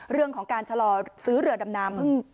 เรื่องของการชะลอซื้อเหลือดำน้ำ